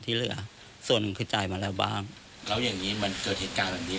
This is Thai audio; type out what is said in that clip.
ที่เหลือส่วนหนึ่งคือจ่ายมาแล้วบ้างแล้วอย่างนี้มันเกิดเหตุการณ์แบบนี้